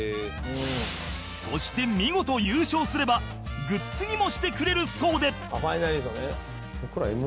そして見事優勝すればグッズにもしてくれるそうで